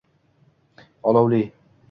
olovli